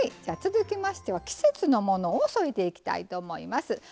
じゃあ続きましては季節のものを添えていきたいと思います。